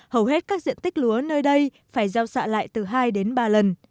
hầu hết các diện tích lúa nơi đây phải gieo xạ lại từ hai đến ba lần